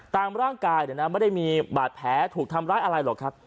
ตามร่างกายไม่ได้มีบาดแผลถูกทำร้ายอะไรหรอกครับ